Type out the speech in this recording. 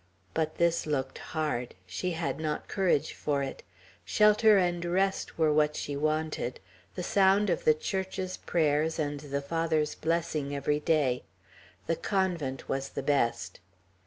But this looked hard: she had not courage for it; shelter and rest were what she wanted, the sound of the Church's prayers, and the Father's blessing every day. The convent was the best.